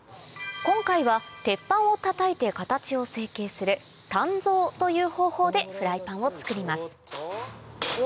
今回は鉄板をたたいて形を成形する鍛造という方法でフライパンを作りますお！